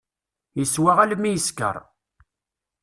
Yeswa almi yesker.